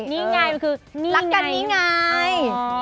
นี่ไงคือนี่ไงรักกันนี่ไง